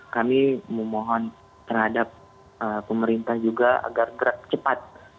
kami memohon terhadap pemerintah juga agar gerak cepat